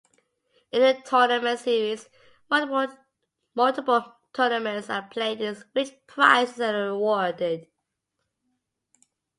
In a tournament series, multiple tournaments are played in which prizes are awarded.